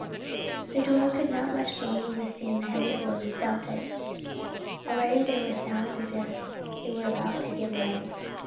The door could not much longer withstand the heavy blows dealt it; already there were sounds as if it were about to give way.